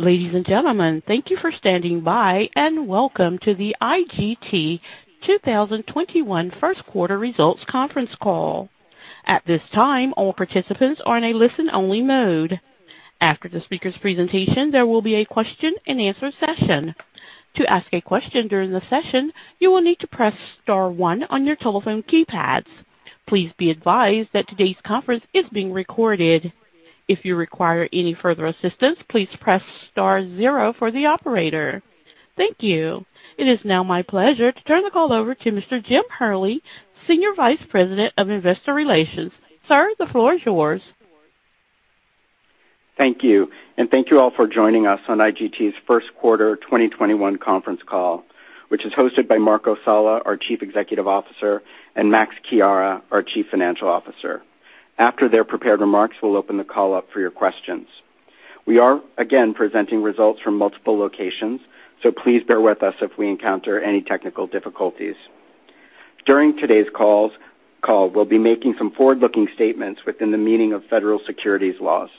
Ladies and gentlemen, thank you for standing by, and welcome to the IGT 2021 first quarter results conference call.At this time, all participants are in a listen-only mode. After the speaker's presentation, there will be a question-and-answer session. To ask a question during the session, you will need to press star one on your telephone keypads. Please be advised that today's conference is being recorded. If you require any further assistance, please press star zero for the operator. Thank you. It is now my pleasure to turn the call over to Mr. Jim Hurley, Senior Vice President of Investor Relations. Sir, the floor is yours. Thank you all for joining us on IGT's first quarter 2021 conference call, which is hosted by Marco Sala, our Chief Executive Officer, and Max Chiara, our Chief Financial Officer. After their prepared remarks, we'll open the call up for your questions. We are again presenting results from multiple locations, please bear with us if we encounter any technical difficulties. During today's call, we'll be making some forward-looking statements within the meaning of federal securities laws.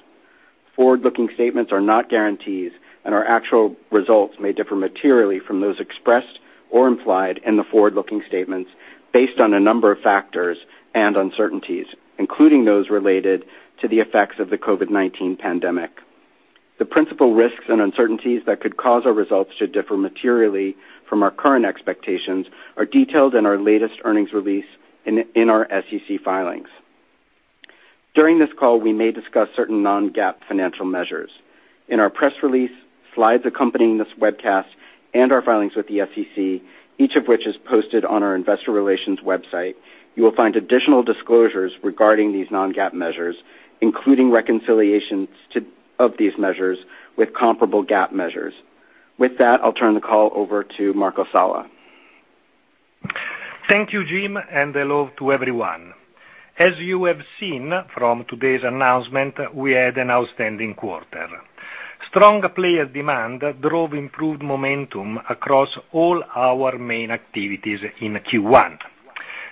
Forward-looking statements are not guarantees, our actual results may differ materially from those expressed or implied in the forward-looking statements, based on a number of factors and uncertainties, including those related to the effects of the COVID-19 pandemic. The principal risks and uncertainties that could cause our results to differ materially from our current expectations are detailed in our latest earnings release in our SEC filings. During this call, we may discuss certain non-GAAP financial measures. In our press release, slides accompanying this webcast, and our filings with the SEC, each of which is posted on our investor relations website, you will find additional disclosures regarding these non-GAAP measures, including reconciliations of these measures with comparable GAAP measures. With that, I'll turn the call over to Marco Sala. Thank you, Jim, and hello to everyone. As you have seen from today's announcement, we had an outstanding quarter. Strong player demand drove improved momentum across all our main activities in Q1.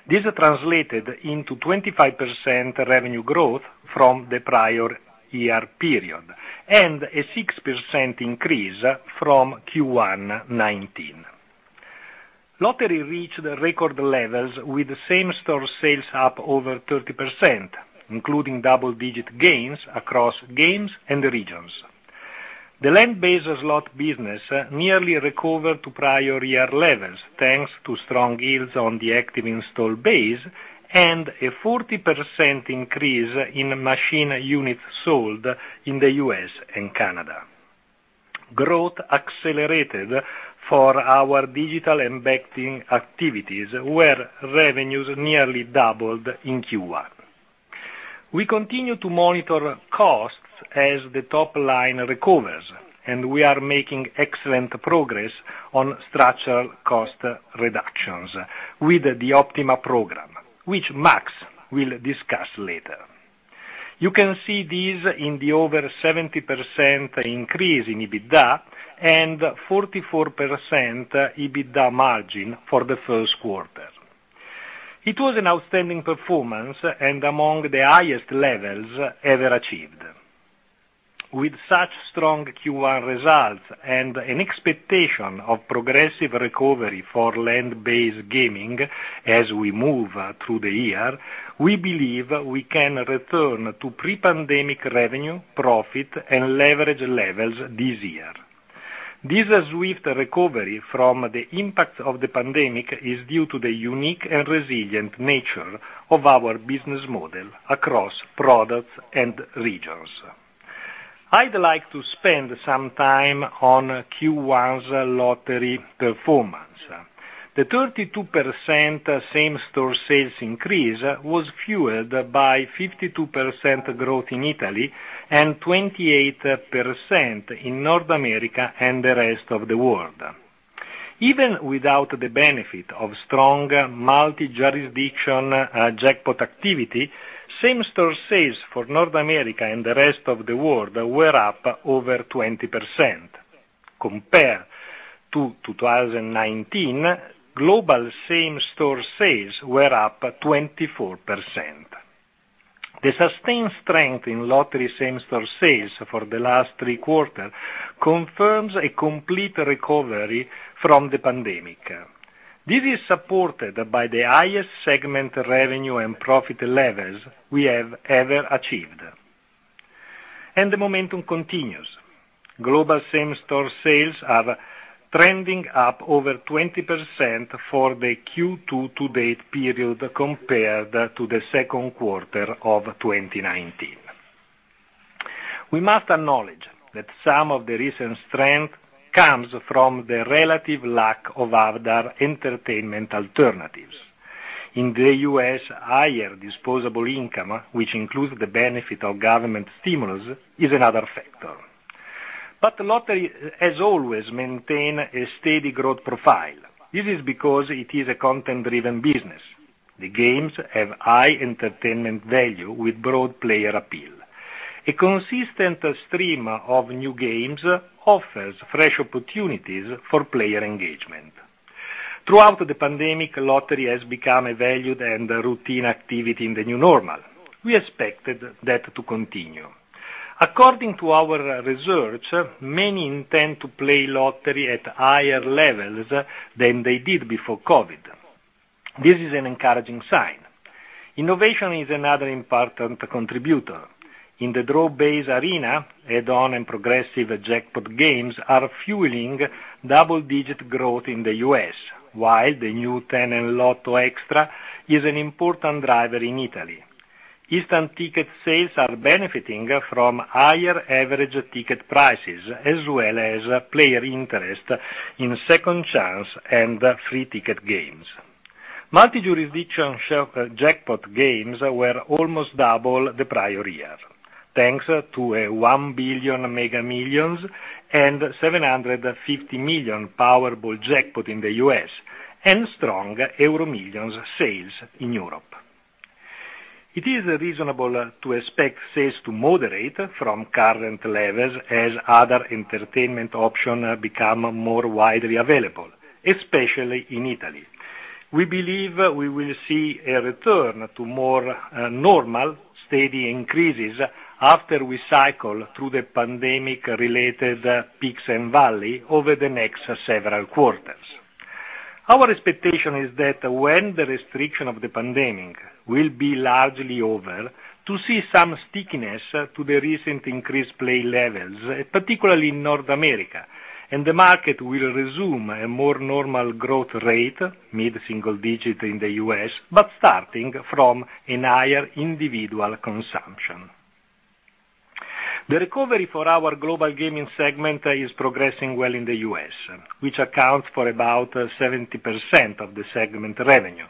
This translated into 25% revenue growth from the prior year period, and a 6% increase from Q1 2019. Lottery reached record levels with same-store sales up over 30%, including double-digit gains across games and regions. The land-based slot business nearly recovered to prior year levels, thanks to strong yields on the active install base and a 40% increase in machine units sold in the U.S. and Canada. Growth accelerated for our digital and betting activities, where revenues nearly doubled in Q1. We continue to monitor costs as the top line recovers, and we are making excellent progress on structural cost reductions with the OPtiMa program, which Max will discuss later. You can see these in the over 70% increase in EBITDA and 44% EBITDA margin for the first quarter. It was an outstanding performance and among the highest levels ever achieved. With such strong Q1 results and an expectation of progressive recovery for land-based gaming as we move through the year, we believe we can return to pre-pandemic revenue, profit, and leverage levels this year. This swift recovery from the impact of the pandemic is due to the unique and resilient nature of our business model across products and regions. I'd like to spend some time on Q1's lottery performance. The 32% same-store sales increase was fueled by 52% growth in Italy and 28% in North America and the rest of the world. Even without the benefit of strong multi-state jackpots activity, same-store sales for North America and the rest of the world were up over 20%. Compared to 2019, global same-store sales were up 24%. The sustained strength in lottery same-store sales for the last three quarters confirms a complete recovery from the pandemic. This is supported by the highest segment revenue and profit levels we have ever achieved. The momentum continues. Global same-store sales are trending up over 20% for the Q2 to date period compared to the second quarter of 2019. We must acknowledge that some of the recent strength comes from the relative lack of other entertainment alternatives. In the U.S., higher disposable income, which includes the benefit of government stimulus, is another factor. The lottery has always maintained a steady growth profile. This is because it is a content-driven business. The games have high entertainment value with broad player appeal. A consistent stream of new games offers fresh opportunities for player engagement. Throughout the pandemic, lottery has become a valued and routine activity in the new normal. We expected that to continue. According to our research, many intend to play lottery at higher levels than they did before COVID. This is an encouraging sign. Innovation is another important contributor. In the draw base arena, add-on and progressive jackpot games are fueling double-digit growth in the U.S., while the new 10eLotto Extra is an important driver in Italy. Instant tickets sales are benefiting from higher average ticket prices, as well as player interest in second chance and free ticket games. Multi-state jackpots were almost double the prior year, thanks to a $1 billion Mega Millions and $750 million Powerball jackpot in the U.S., and strong EuroMillions sales in Europe. It is reasonable to expect sales to moderate from current levels as other entertainment option become more widely available, especially in Italy. We believe we will see a return to more normal, steady increases after we cycle through the pandemic-related peaks and valley over the next several quarters. Our expectation is that when the restriction of the pandemic will be largely over, to see some stickiness to the recent increased play levels, particularly in North America, and the market will resume a more normal growth rate, mid-single digit in the U.S., but starting from a higher individual consumption. The recovery for our global gaming segment is progressing well in the U.S., which accounts for about 70% of the segment revenue.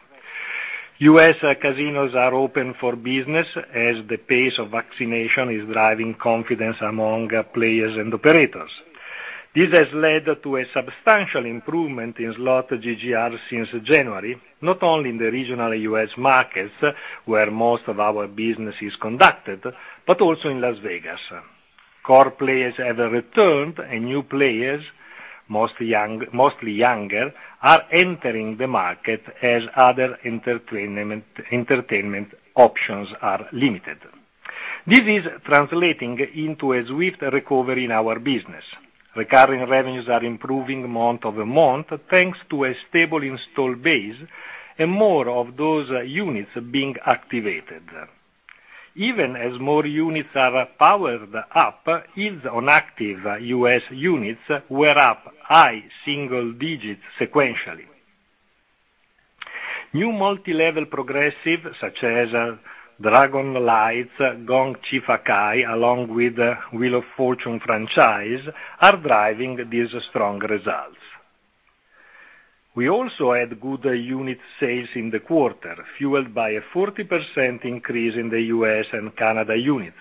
U.S. casinos are open for business as the pace of vaccination is driving confidence among players and operators. This has led to a substantial improvement in slot GGR since January, not only in the regional U.S. markets, where most of our business is conducted, but also in Las Vegas. Core players have returned, and new players, mostly younger, are entering the market as other entertainment options are limited. This is translating into a swift recovery in our business. Recurring revenues are improving month-over-month, thanks to a stable install base and more of those units being activated. Even as more units are powered up, yields on active U.S. units were up high single digits sequentially. New multi-level progressive, such as Dragon Lights, Gong Xi Fa Cai, along with Wheel of Fortune franchise, are driving these strong results. We also had good unit sales in the quarter, fueled by a 40% increase in the U.S. and Canada units,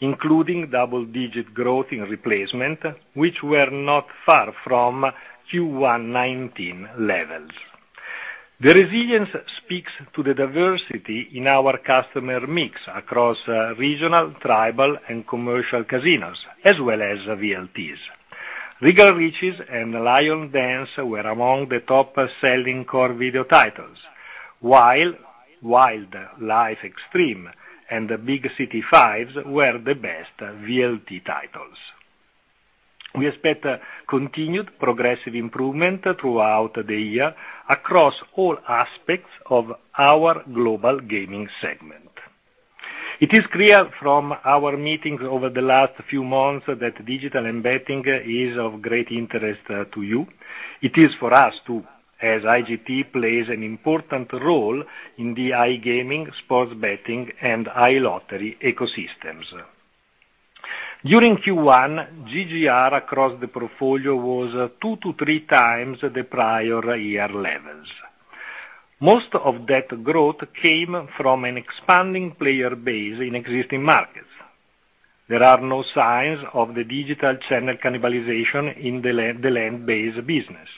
including double-digit growth in replacement, which were not far from Q1 2019 levels. The resilience speaks to the diversity in our customer mix across regional, tribal, and commercial casinos, as well as VLTs. Regal Riches and Lion Dance were among the top-selling core video titles, while The Wild Life Extreme and the Big City 5's were the best VLT titles. We expect continued progressive improvement throughout the year across all aspects of our global gaming segment. It is clear from our meetings over the last few months that digital and betting is of great interest to you. It is for us, too, as IGT plays an important role in the iGaming, sports betting, and iLottery ecosystems. During Q1, GGR across the portfolio was 2x-3x the prior year levels. Most of that growth came from an expanding player base in existing markets. There are no signs of the digital channel cannibalization in the land-based business.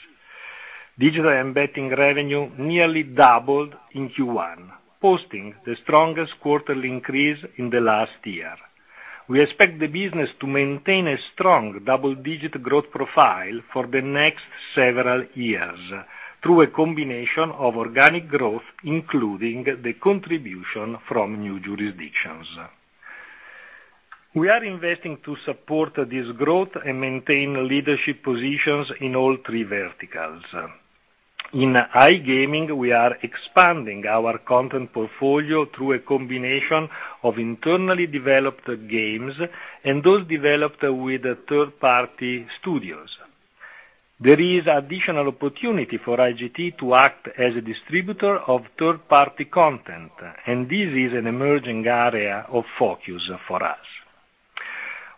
Digital and betting revenue nearly doubled in Q1, posting the strongest quarterly increase in the last year. We expect the business to maintain a strong double-digit growth profile for the next several years through a combination of organic growth, including the contribution from new jurisdictions. We are investing to support this growth and maintain leadership positions in all three verticals. In iGaming, we are expanding our content portfolio through a combination of internally developed games and those developed with third-party studios. There is additional opportunity for IGT to act as a distributor of third-party content, and this is an emerging area of focus for us.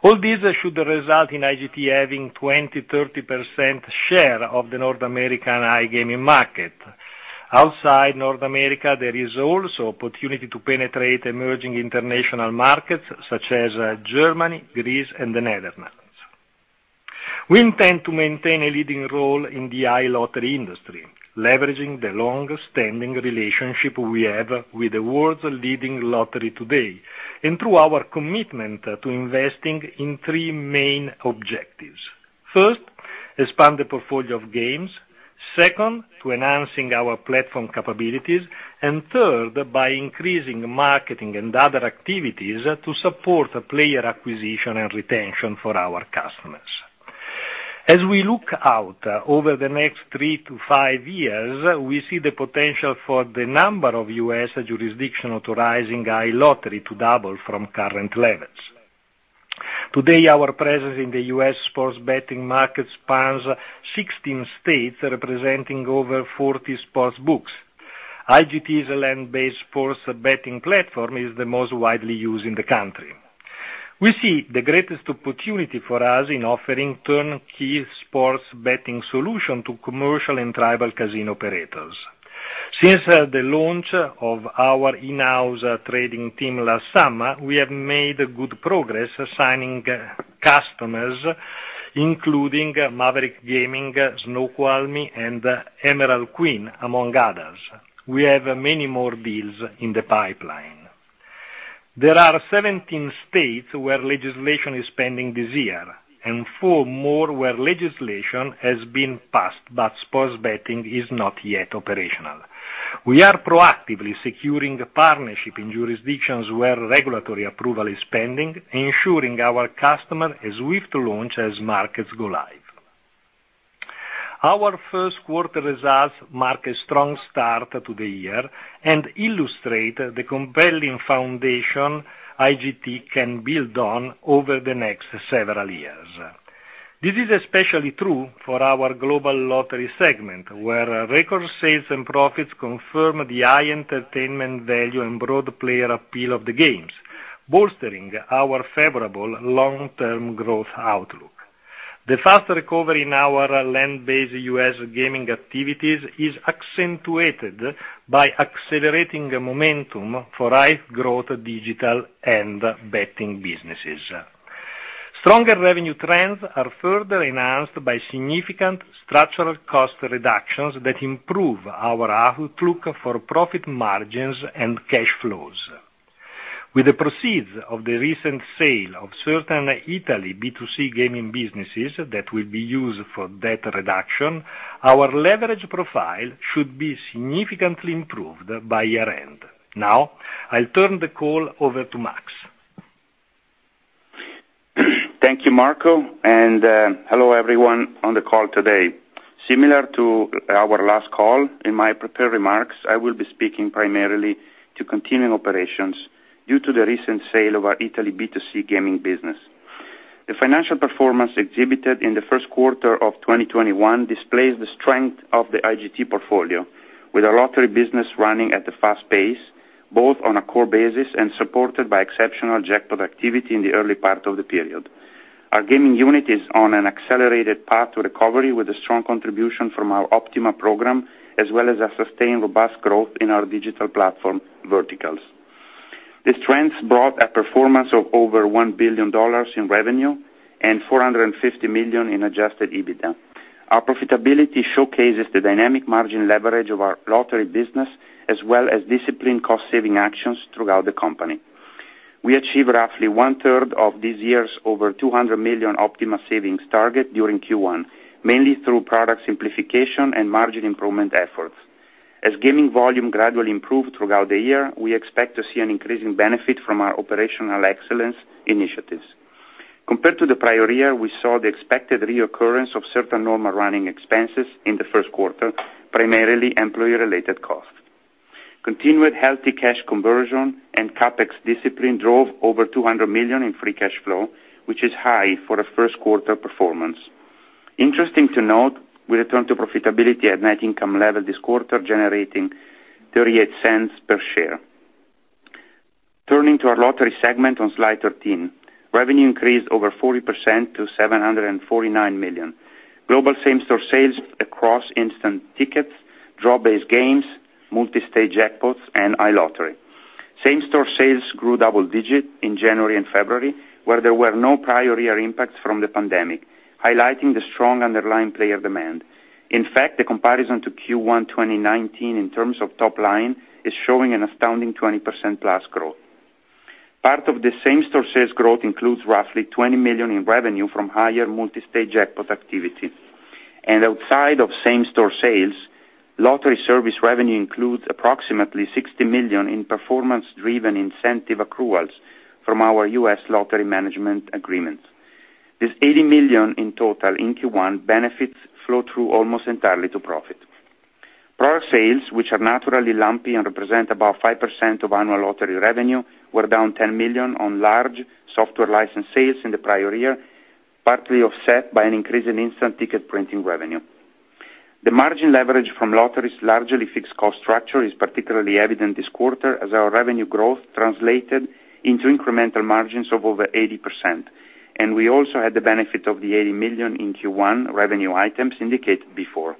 All this should result in IGT having 20%-30% share of the North American iGaming market. Outside North America, there is also opportunity to penetrate emerging international markets such as Germany, Greece, and the Netherlands. We intend to maintain a leading role in the iLottery industry, leveraging the longstanding relationship we have with the world's leading lottery today, and through our commitment to investing in three main objectives. First expand the portfolio of games. Second, to enhancing our platform capabilities, and third, by increasing marketing and other activities to support player acquisition and retention for our customers. As we look out over the next three to five years, we see the potential for the number of U.S. jurisdiction authorizing iLottery to double from current levels. Today, our presence in the U.S. sports betting market spans 16 states, representing over 40 sports books. IGT's land-based sports betting platform is the most widely used in the country. We see the greatest opportunity for us in offering turnkey sports betting solution to commercial and tribal casino operators. Since the launch of our in-house trading team last summer, we have made good progress assigning customers, including Maverick Gaming, Snoqualmie, and Emerald Queen, among others. We have many more deals in the pipeline. There are 17 states where legislation is pending this year, and four more where legislation has been passed, but sports betting is not yet operational. We are proactively securing partnership in jurisdictions where regulatory approval is pending, ensuring our customer as swift to launch as markets go live. Our first quarter results mark a strong start to the year and illustrate the compelling foundation IGT can build on over the next several years. This is especially true for our global lottery segment, where record sales and profits confirm the high entertainment value and broad player appeal of the games, bolstering our favorable long-term growth outlook. The fast recovery in our land-based U.S. gaming activities is accentuated by accelerating the momentum for high growth digital and betting businesses. Stronger revenue trends are further enhanced by significant structural cost reductions that improve our outlook for profit margins and cash flows. With the proceeds of the recent sale of certain Italy B2C gaming businesses that will be used for debt reduction, our leverage profile should be significantly improved by year-end. Now, I'll turn the call over to Max. Thank you, Marco, and hello, everyone on the call today. Similar to our last call, in my prepared remarks, I will be speaking primarily to continuing operations due to the recent sale of our Italy B2C gaming business. The financial performance exhibited in the first quarter of 2021 displays the strength of the IGT portfolio, with our lottery business running at a fast pace, both on a core basis and supported by exceptional jackpot activity in the early part of the period. Our gaming unit is on an accelerated path to recovery with a strong contribution from our OPtiMa program, as well as a sustained robust growth in our digital platform verticals. These trends brought a performance of over $1 billion in revenue and $450 million in adjusted EBITDA. Our profitability showcases the dynamic margin leverage of our lottery business, as well as disciplined cost-saving actions throughout the company. We achieved roughly 1/3 of this year's over $200 million OPtiMa savings target during Q1, mainly through product simplification and margin improvement efforts. As gaming volume gradually improved throughout the year, we expect to see an increasing benefit from our operational excellence initiatives. Compared to the prior year, we saw the expected reoccurrence of certain normal running expenses in the first quarter, primarily employee-related costs. Continued healthy cash conversion and CapEx discipline drove over $200 million in free cash flow, which is high for a first quarter performance. Interesting to note, we returned to profitability at net income level this quarter, generating 0.38 per share. Turning to our lottery segment on slide 13. Revenue increased over 40% to 749 million. Global same-store sales across instant tickets, draw-based games, multi-state jackpots, and iLottery. Same-store sales grew double-digit in January and February, where there were no prior year impacts from the pandemic, highlighting the strong underlying player demand. In fact, the comparison to Q1 2019 in terms of top line is showing an astounding 20%+ growth. Part of the same-store sales growth includes roughly $20 million in revenue from higher multi-state jackpot activity. Outside of same-store sales, lottery service revenue includes approximately $60 million in performance-driven incentive accruals from our U.S. lottery management agreement. This $80 million in total in Q1 benefits flow through almost entirely to profit. Product sales, which are naturally lumpy and represent about 5% of annual lottery revenue, were down $10 million on large software license sales in the prior year, partly offset by an increase in instant ticket printing revenue. The margin leverage from Lottery's largely fixed cost structure is particularly evident this quarter, as our revenue growth translated into incremental margins of over 80%, and we also had the benefit of the $80 million in Q1 revenue items indicated before.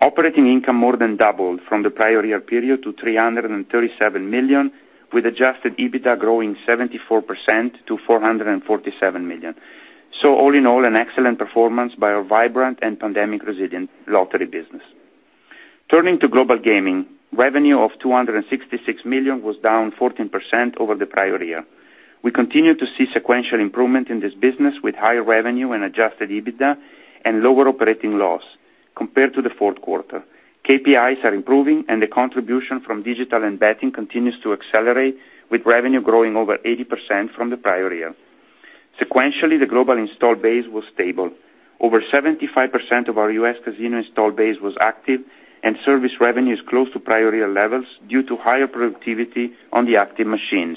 Operating income more than doubled from the prior year period to $337 million, with adjusted EBITDA growing 74% to $447 million. All in all, an excellent performance by our vibrant and pandemic-resilient Lottery business. Turning to global gaming, revenue of $266 million was down 14% over the prior year. We continue to see sequential improvement in this business with higher revenue and adjusted EBITDA and lower operating loss compared to the fourth quarter. KPIs are improving and the contribution from digital and betting continues to accelerate, with revenue growing over 80% from the prior year. Sequentially, the global install base was stable. Over 75% of our U.S. casino install base was active, and service revenue is close to prior year levels due to higher productivity on the active machines.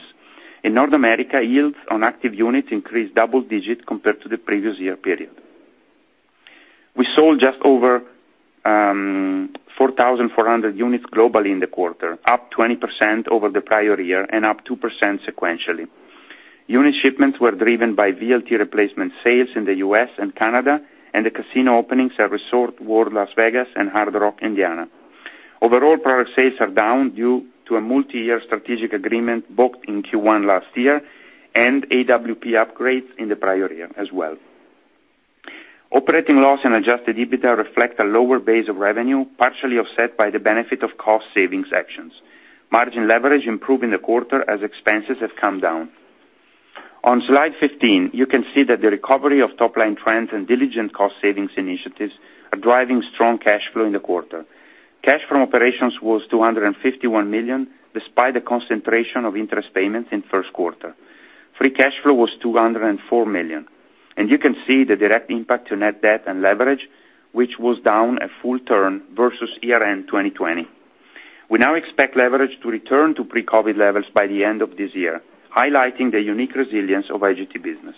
In North America, yields on active units increased double digits compared to the previous year period. We sold just over 4,400 units globally in the quarter, up 20% over the prior year and up 2% sequentially. Unit shipments were driven by VLT replacement sales in the U.S. and Canada, and the casino openings at Resorts World Las Vegas and Hard Rock, Indiana. Overall product sales are down due to a multi-year strategic agreement booked in Q1 last year and AWP upgrades in the prior year as well. Operating loss and adjusted EBITDA reflect a lower base of revenue, partially offset by the benefit of cost savings actions. Margin leverage improved in the quarter as expenses have come down. On slide 15, you can see that the recovery of top-line trends and diligent cost-savings initiatives are driving strong cash flow in the quarter. Cash from operations was $251 million, despite the concentration of interest payments in first quarter. Free cash flow was $204 million, and you can see the direct impact to net debt and leverage, which was down a full turn versus year-end 2020. We now expect leverage to return to pre-COVID levels by the end of this year, highlighting the unique resilience of IGT business.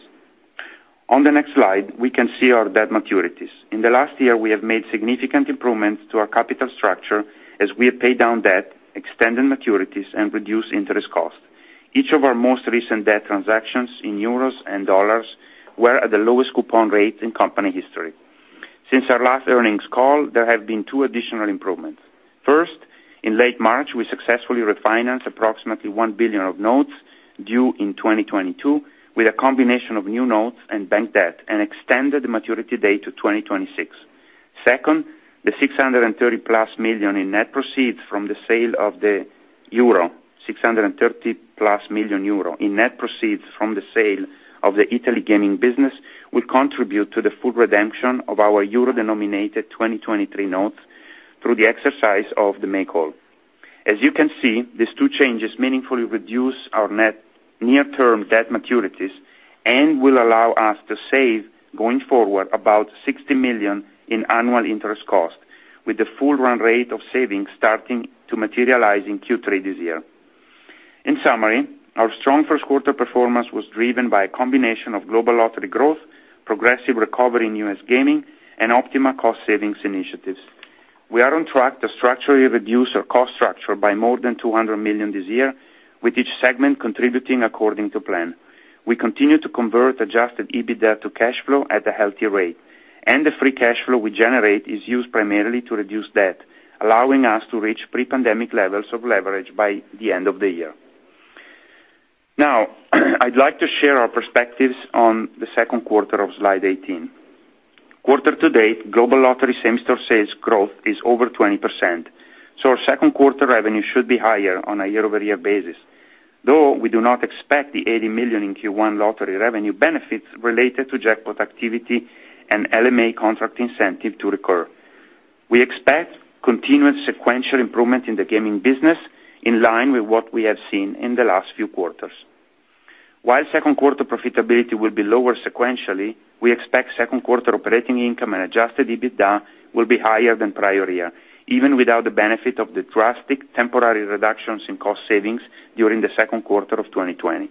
On the next slide, we can see our debt maturities. In the last year, we have made significant improvements to our capital structure as we have paid down debt, extended maturities, and reduced interest costs. Each of our most recent debt transactions in EUR and USD were at the lowest coupon rate in company history. Since our last earnings call, there have been two additional improvements. First, in late March, we successfully refinanced approximately 1 billion of notes due in 2022 with a combination of new notes and bank debt and extended the maturity date to 2026. Second, the 630-plus million euro in net proceeds from the sale of the Italy gaming business will contribute to the full redemption of our EUR-denominated 2023 notes through the exercise of the make whole. As you can see, these two changes meaningfully reduce our near-term debt maturities and will allow us to save, going forward, about 60 million in annual interest cost, with the full run rate of savings starting to materialize in Q3 this year. In summary, our strong first quarter performance was driven by a combination of global lottery growth, progressive recovery in U.S. gaming, and OPtiMa cost savings initiatives. We are on track to structurally reduce our cost structure by more than 200 million this year, with each segment contributing according to plan. We continue to convert adjusted EBITDA to cash flow at a healthy rate, and the free cash flow we generate is used primarily to reduce debt, allowing us to reach pre-pandemic levels of leverage by the end of the year. I'd like to share our perspectives on the second quarter of slide 18. Quarter to date, global lottery same-store sales growth is over 20%, so our second quarter revenue should be higher on a year-over-year basis. Though we do not expect the 80 million in Q1 lottery revenue benefits related to jackpot activity and LMA contract incentive to recur. We expect continuous sequential improvement in the gaming business in line with what we have seen in the last few quarters. While second quarter profitability will be lower sequentially, we expect second quarter operating income and adjusted EBITDA will be higher than prior year, even without the benefit of the drastic temporary reductions in cost savings during the second quarter of 2020.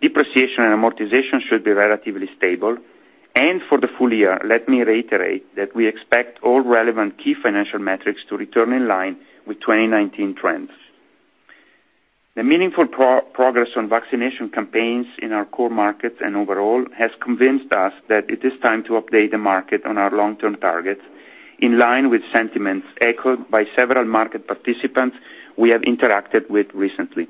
Depreciation and amortization should be relatively stable, and for the full year, let me reiterate that we expect all relevant key financial metrics to return in line with 2019 trends. The meaningful progress on vaccination campaigns in our core markets and overall has convinced us that it is time to update the market on our long-term targets in line with sentiments echoed by several market participants we have interacted with recently.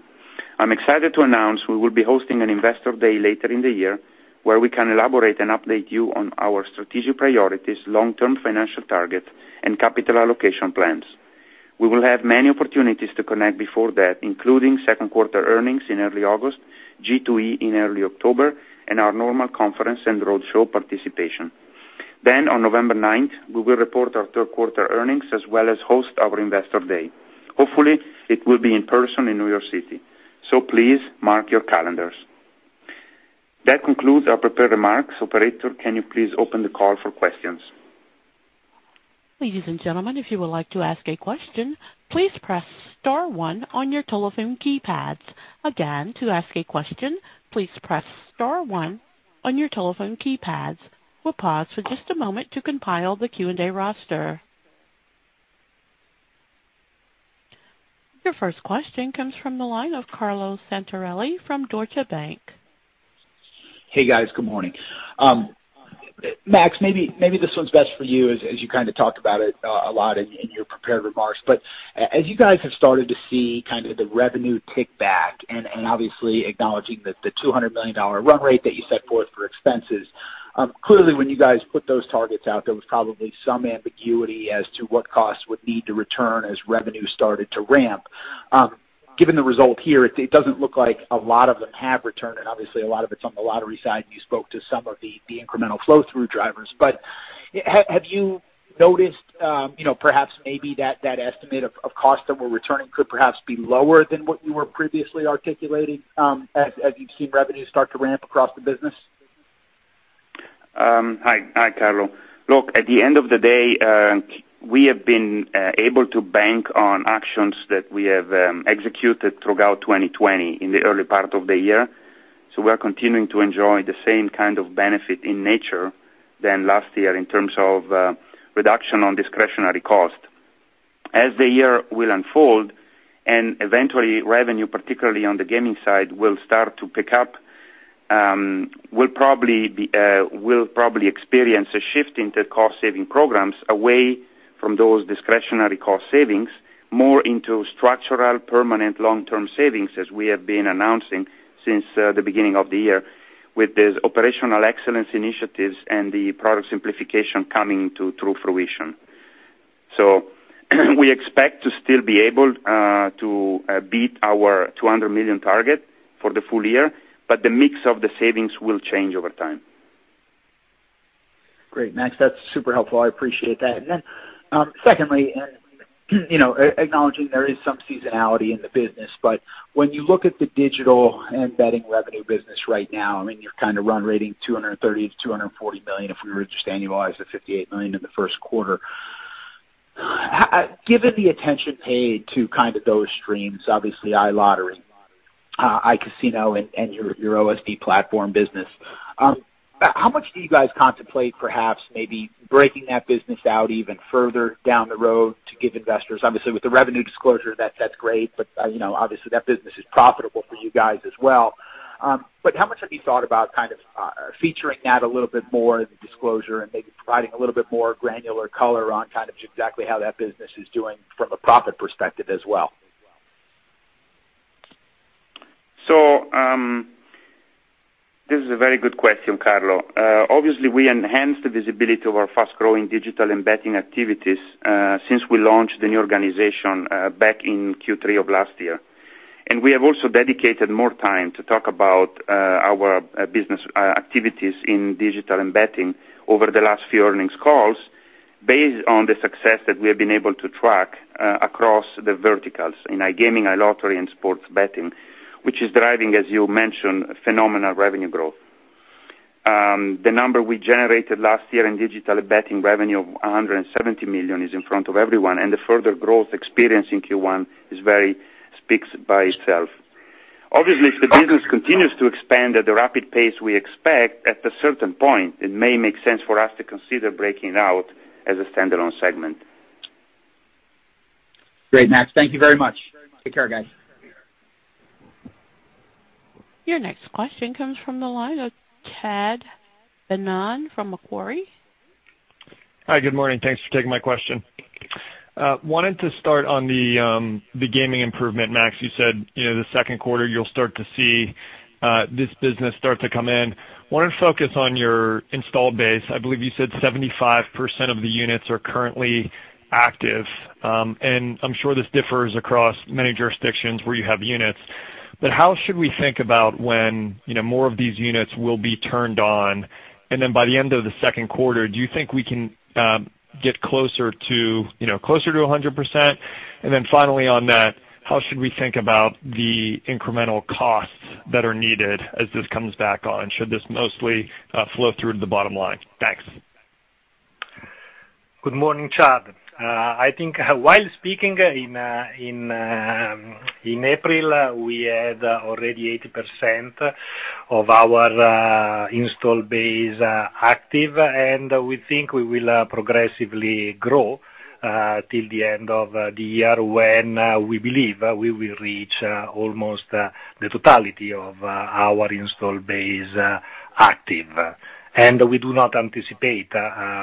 I'm excited to announce we will be hosting an investor day later in the year where we can elaborate and update you on our strategic priorities, long-term financial targets, and capital allocation plans. We will have many opportunities to connect before that, including second quarter earnings in early August, G2E in early October, and our normal conference and roadshow participation. On November ninth, we will report our third quarter earnings as well as host our investor day. Hopefully, it will be in person in New York City. Please mark your calendars. That concludes our prepared remarks. Operator, can you please open the call for questions? Ladies and gentlemen, if you would like to ask a question, please press star one on your telephone keypads. Again, to ask a question, please press star one on your telephone keypads. We'll pause for just a moment to compile the Q&A roster. Your first question comes from the line of Carlo Santarelli from Deutsche Bank. Hey, guys. Good morning. Max, maybe this one's best for you as you kind of talked about it a lot in your prepared remarks. As you guys have started to see the revenue tick back, and obviously acknowledging the $200 million run rate that you set forth for expenses, clearly when you guys put those targets out, there was probably some ambiguity as to what costs would need to return as revenue started to ramp. Given the result here, it doesn't look like a lot of them have returned, and obviously a lot of it's on the lottery side, and you spoke to some of the incremental flow-through drivers. Have you noticed perhaps maybe that that estimate of cost that were returning could perhaps be lower than what you were previously articulating as you've seen revenue start to ramp across the business? Hi, Carlo. Look, at the end of the day, we have been able to bank on actions that we have executed throughout 2020 in the early part of the year. We're continuing to enjoy the same kind of benefit in nature than last year in terms of reduction on discretionary cost. As the year will unfold and eventually revenue, particularly on the gaming side, will start to pick up, we'll probably experience a shift into cost-saving programs away from those discretionary cost savings, more into structural, permanent, long-term savings as we have been announcing since the beginning of the year with these operational excellence initiatives and the product simplification coming to true fruition. We expect to still be able to beat our 200 million target for the full year, but the mix of the savings will change over time. Great, Max, that's super helpful. I appreciate that. Then secondly, acknowledging there is some seasonality in the business, but when you look at the digital and betting revenue business right now, you're kind of run-rating $230 million-$240 million if we were to just annualize the $58 million in the first quarter. Given the attention paid to those streams, obviously iLottery, iCasino, and your OSB platform business, how much do you guys contemplate perhaps maybe breaking that business out even further down the road to give investors, obviously with the revenue disclosure, that's great, but obviously that business is profitable for you guys as well. How much have you thought about featuring that a little bit more in the disclosure and maybe providing a little bit more granular color on kind of exactly how that business is doing from a profit perspective as well? This is a very good question, Carlo. Obviously, we enhanced the visibility of our fast-growing digital and betting activities since we launched the new organization back in Q3 of last year. We have also dedicated more time to talk about our business activities in digital and betting over the last few earnings calls based on the success that we have been able to track across the verticals in iGaming, iLottery, and sports betting, which is driving, as you mentioned, phenomenal revenue growth. The number we generated last year in digital betting revenue of $170 million is in front of everyone, and the further growth experienced in Q1 speaks by itself. Obviously, if the business continues to expand at the rapid pace we expect, at a certain point, it may make sense for us to consider breaking it out as a standalone segment. Great, Max. Thank you very much. Take care, guys. Your next question comes from the line of Chad Beynon from Macquarie. Hi, good morning. Thanks for taking my question. Wanted to start on the gaming improvement, Max. You said the second quarter you'll start to see this business start to come in. Wanted to focus on your installed base. I believe you said 75% of the units are currently active. I'm sure this differs across many jurisdictions where you have units, but how should we think about when more of these units will be turned on? By the end of the second quarter, do you think we can get closer to 100%? Finally on that, how should we think about the incremental costs that are needed as this comes back on? Should this mostly flow through to the bottom line? Thanks. Good morning, Chad. I think while speaking in April, we had already 80% of our install base active. We think we will progressively grow till the end of the year when we believe we will reach almost the totality of our install base active. We do not anticipate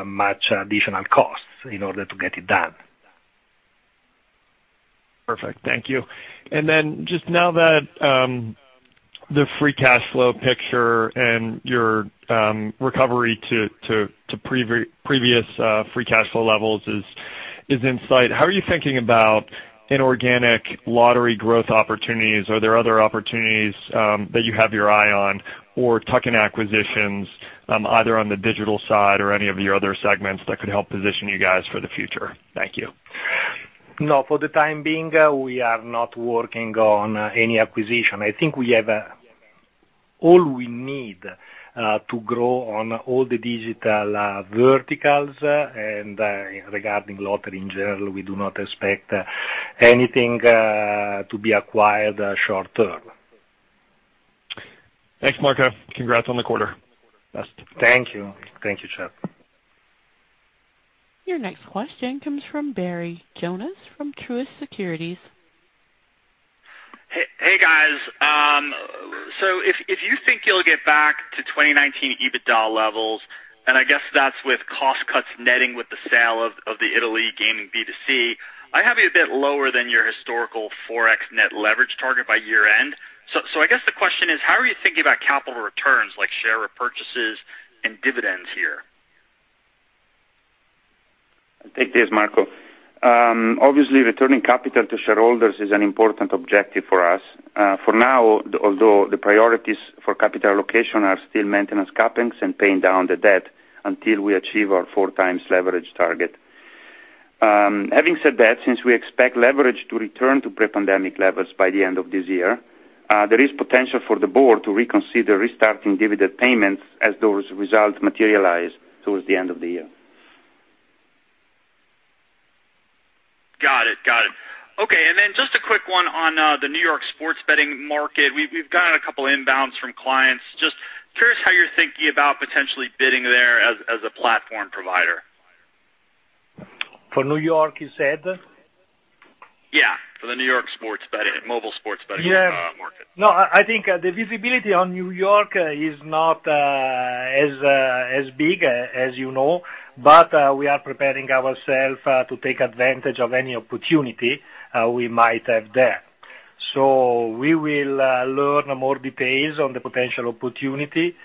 much additional costs in order to get it done. Perfect. Thank you. Just now that the free cash flow picture and your recovery to previous free cash flow levels is in sight, how are you thinking about inorganic lottery growth opportunities? Are there other opportunities that you have your eye on or tuck-in acquisitions, either on the digital side or any of your other segments that could help position you guys for the future? Thank you. No, for the time being, we are not working on any acquisition. I think we have all we need to grow on all the digital verticals, and regarding lottery in general, we do not expect anything to be acquired short-term. Thanks, Marco. Congrats on the quarter. Thank you. Thank you, Chad. Your next question comes from Barry Jonas from Truist Securities. Hey, guys. If you think you'll get back to 2019 EBITDA levels, and I guess that's with cost cuts netting with the sale of the Italy gaming B2C, I have you a bit lower than your historical 4x net leverage target by year end. I guess the question is, how are you thinking about capital returns, like share repurchases and dividends here? I'll take this, Marco. Obviously, returning capital to shareholders is an important objective for us. For now, although the priorities for capital allocation are still maintenance CapEx and paying down the debt until we achieve our 4x leverage target. Having said that, since we expect leverage to return to pre-pandemic levels by the end of this year, there is potential for the board to reconsider restarting dividend payments as those results materialize towards the end of the year. Got it. Okay. Just a quick one on the New York sports betting market. We've gotten a couple inbounds from clients. Just curious how you're thinking about potentially bidding there as a platform provider. For New York, you said? Yeah, for the N.Y. mobile sports betting market. I think the visibility on New York is not as big as you know, but we are preparing ourselves to take advantage of any opportunity we might have there. We will learn more details on the potential opportunity,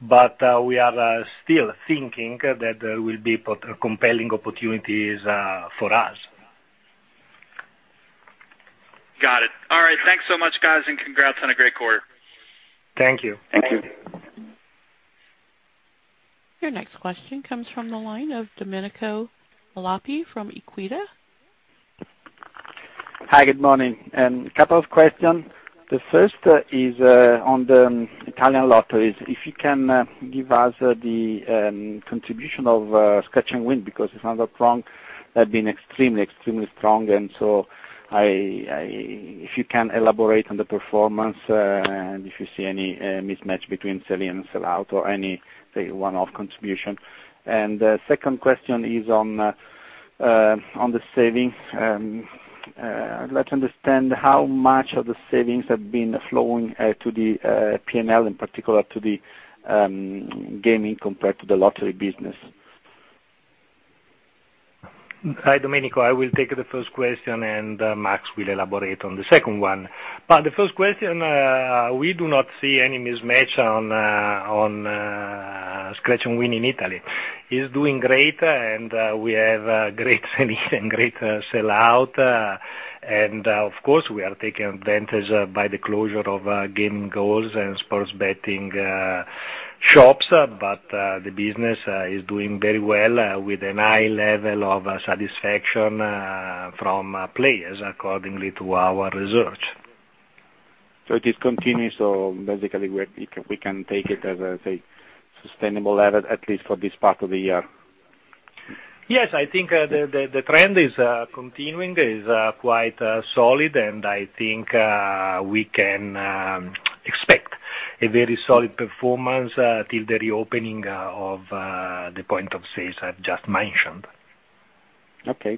but we are still thinking that there will be compelling opportunities for us. Got it. All right. Thanks so much, guys, and congrats on a great quarter. Thank you. Thank you. Your next question comes from the line of Domenico Ghilotti from EQUITA. Hi, good morning. A couple of questions. The first is on the Italian lotteries, if you can give us the contribution of Scratch & Win, because if I'm not wrong, they've been extremely strong. If you can elaborate on the performance, and if you see any mismatch between sale and sell out or any, say, one-off contribution. The second question is on the savings. I'd like to understand how much of the savings have been flowing to the P&L, in particular to the gaming compared to the lottery business. Hi, Domenico. I will take the first question, and Max will elaborate on the second one. The first question, we do not see any mismatch on Scratch & Win in Italy. It's doing great, and we have great sell out. Of course, we are taking advantage by the closure of gaming halls and sports betting shops. The business is doing very well with a high level of satisfaction from players, accordingly to our research. It is continuous, so basically we can take it as a sustainable level, at least for this part of the year. Yes, I think the trend is continuing. It is quite solid, and I think we can expect a very solid performance till the reopening of the point of sales I've just mentioned. Okay.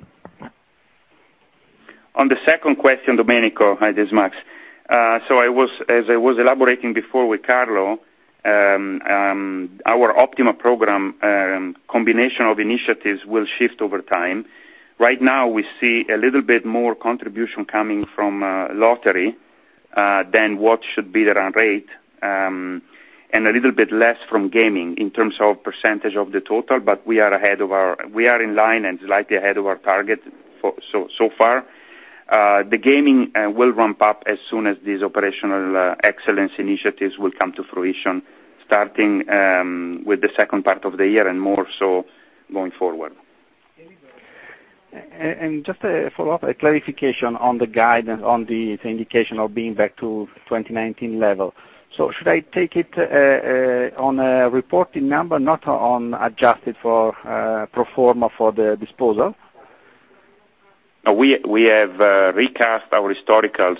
On the second question, Domenico. Hi, this is Max. As I was elaborating before with Carlo, our OPtiMa program combination of initiatives will shift over time. Right now, we see a little bit more contribution coming from lottery, than what should be the run rate, and a little bit less from gaming in terms of percentage of the total, but we are in line and slightly ahead of our target so far. The gaming will ramp up as soon as these operational excellence initiatives will come to fruition, starting with the second part of the year and more so going forward. Just a follow-up, a clarification on the guidance on the indication of being back to 2019 level. Should I take it on a reporting number, not on adjusted for pro forma for the disposal? No, we have recast our historicals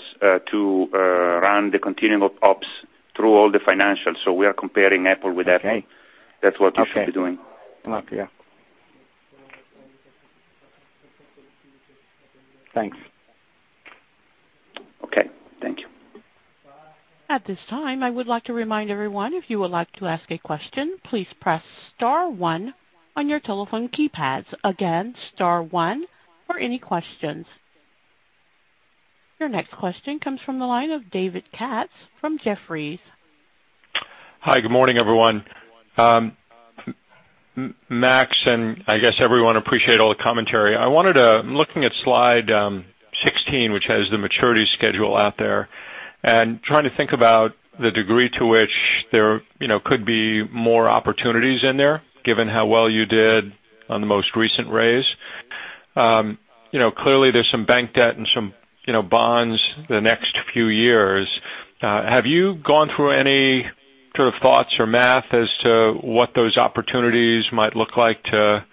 to run the continuing ops through all the financials, so we are comparing apple with apple. Okay. That's what you should be doing. Okay. Yeah. Thanks. Okay. Thank you. Your next question comes from the line of David Katz from Jefferies. Hi, good morning, everyone. Max, and I guess everyone, appreciate all the commentary. I'm looking at slide 16, which has the maturity schedule out there, and trying to think about the degree to which there could be more opportunities in there, given how well you did on the most recent raise. Clearly, there's some bank debt and some bonds the next few years. Have you gone through any sort of thoughts or math as to what those opportunities might look like to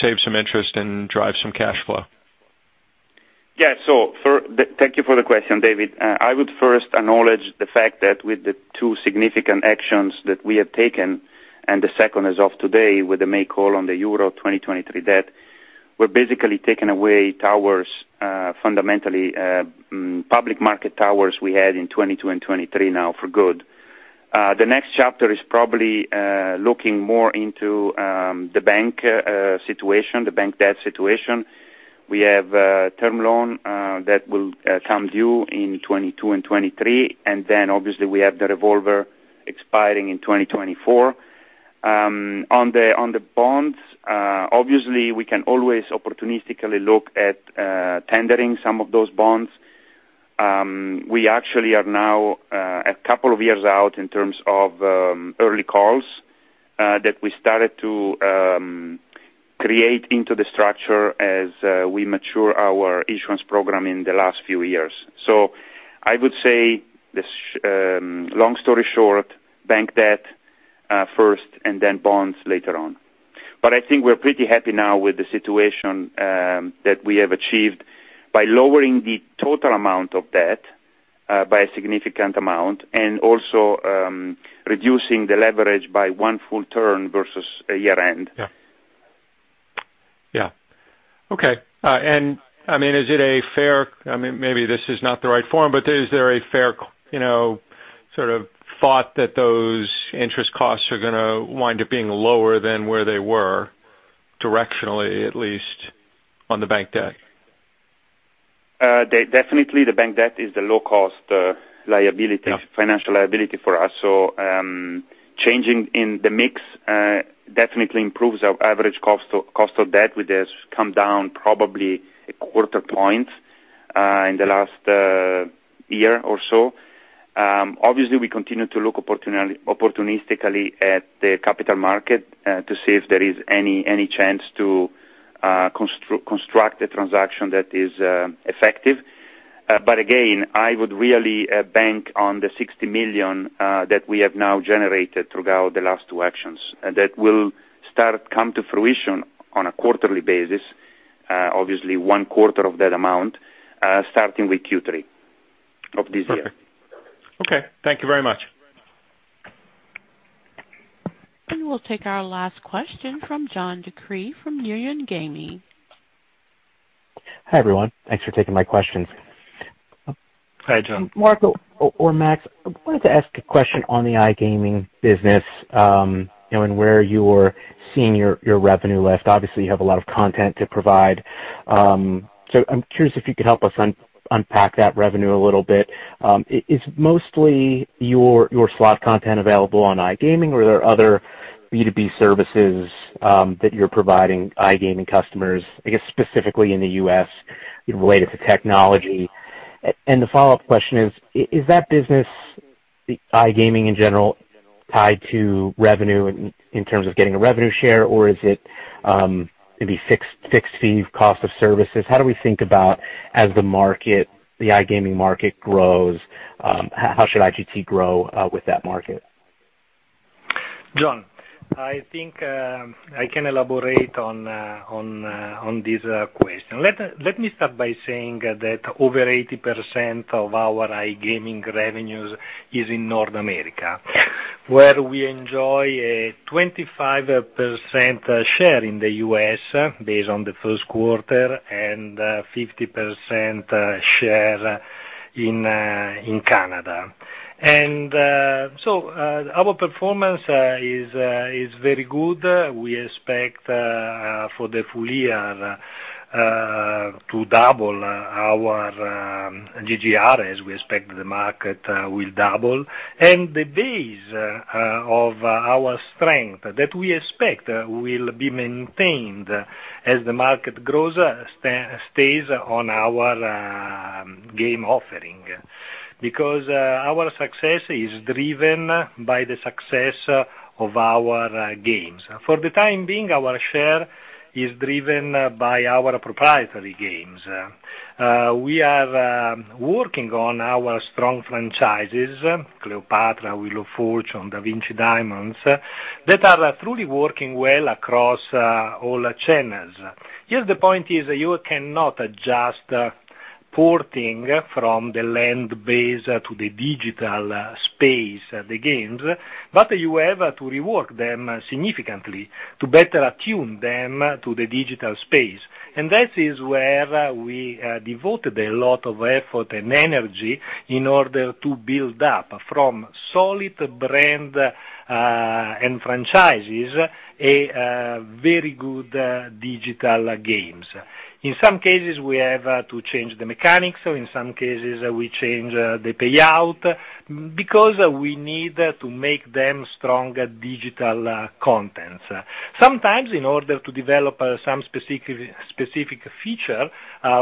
save some interest and drive some cash flow? Thank you for the question, David. I would first acknowledge the fact that with the two significant actions that we have taken, and the second as of today with the make whole on the Euro 2023 debt. We're basically taking away towers, fundamentally, public market towers we had in 2022 and 2023 now for good. The next chapter is probably looking more into the bank debt situation. We have a term loan that will come due in 2022 and 2023, then obviously we have the revolver expiring in 2024. On the bonds, obviously we can always opportunistically look at tendering some of those bonds. We actually are now a couple of years out in terms of early calls, that we started to create into the structure as we mature our insurance program in the last few years. I would say, long story short, bank debt first and then bonds later on. I think we're pretty happy now with the situation that we have achieved by lowering the total amount of debt by a significant amount, and also reducing the leverage by one full turn versus a year-end. Yeah. Okay. Maybe this is not the right forum, but is there a fair thought that those interest costs are going to wind up being lower than where they were, directionally, at least, on the bank debt? Definitely, the bank debt is the low-cost financial liability for us. Changing in the mix definitely improves our average cost of debt, which has come down probably a quarter point in the last year or so. Obviously, we continue to look opportunistically at the capital market to see if there is any chance to construct a transaction that is effective. Again, I would really bank on the 60 million that we have now generated throughout the last two actions. That will start come to fruition on a quarterly basis, obviously one quarter of that amount, starting with Q3 of this year. Okay. Thank you very much. We'll take our last question from John DeCree from Union Gaming. Hi, everyone. Thanks for taking my questions. Hi, John. Marco or Max, I wanted to ask a question on the iGaming business, and where you're seeing your revenue lift. Obviously, you have a lot of content to provide. I'm curious if you could help us unpack that revenue a little bit. Is mostly your slot content available on iGaming, or are there other B2B services that you're providing iGaming customers, I guess specifically in the U.S., related to technology? The follow-up question is that business, iGaming in general, tied to revenue in terms of getting a revenue share, or is it maybe fixed fee cost of services? How do we think about as the iGaming market grows, how should IGT grow with that market? John, I think I can elaborate on this question. Let me start by saying that over 80% of our iGaming revenues is in North America, where we enjoy a 25% share in the U.S. based on the first quarter, and 50% share in Canada. Our performance is very good. We expect for the full year to double our GGR as we expect the market will double. The base of our strength that we expect will be maintained as the market grows, stays on our game offering. Our success is driven by the success of our games. For the time being, our share is driven by our proprietary games. We are working on our strong franchises, Cleopatra, Wheel of Fortune, Da Vinci Diamonds, that are truly working well across all channels. Here, the point is you cannot just porting from the land base to the digital space the games, but you have to rework them significantly to better attune them to the digital space. That is where we devoted a lot of effort and energy in order to build up from solid brand and franchises, very good digital games. In some cases, we have to change the mechanics, or in some cases, we change the payout, because we need to make them strong digital contents. Sometimes, in order to develop some specific feature,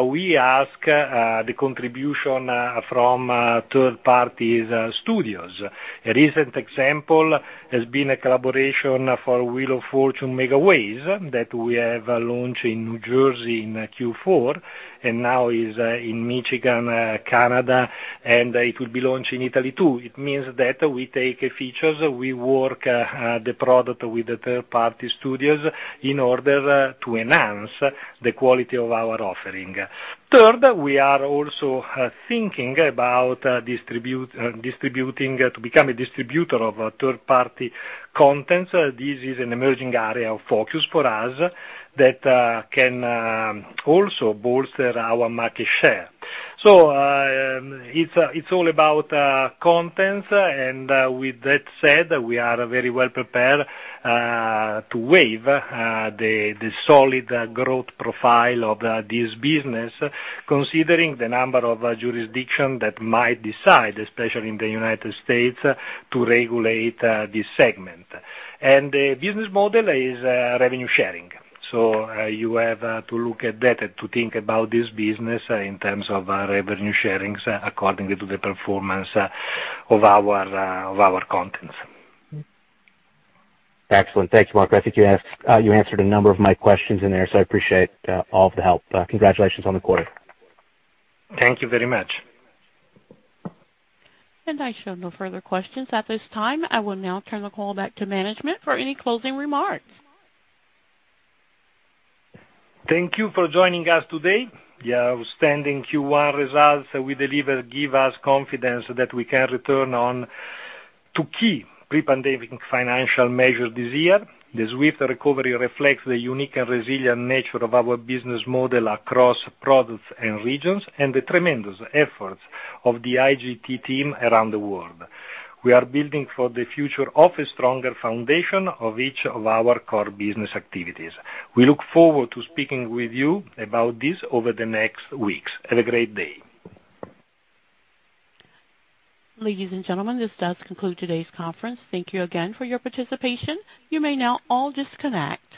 we ask the contribution from third parties studios. A recent example has been a collaboration for Wheel of Fortune Megaways that we have launched in New Jersey in Q4, and now is in Michigan, Canada, and it will be launched in Italy too. It means that we take features, we work the product with the third-party studios in order to enhance the quality of our offering. Third, we are also thinking about to become a distributor of third-party contents. This is an emerging area of focus for us that can also bolster our market share. It's all about contents, and with that said, we are very well prepared to wave the solid growth profile of this business, considering the number of jurisdiction that might decide, especially in the U.S., to regulate this segment. The business model is revenue sharing. You have to look at that to think about this business in terms of revenue sharings according to the performance of our contents. Excellent. Thanks, Marco. I think you answered a number of my questions in there, so I appreciate all of the help. Congratulations on the quarter. Thank you very much. I show no further questions at this time. I will now turn the call back to Management for any closing remarks. Thank you for joining us today. The outstanding Q1 results we delivered give us confidence that we can return on to key pre-pandemic financial measures this year. The swift recovery reflects the unique and resilient nature of our business model across products and regions, and the tremendous efforts of the IGT team around the world. We are building for the future of a stronger foundation of each of our core business activities. We look forward to speaking with you about this over the next weeks. Have a great day. Ladies and gentlemen, this does conclude today's conference. Thank you again for your participation. You may now all disconnect.